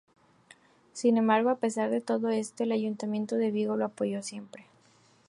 Sin embargo a pesar de todo esto, el ayuntamiento de Vigo lo apoyó siempre.